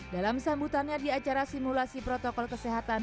dalam sambutannya di acara simulasi protokol kesehatan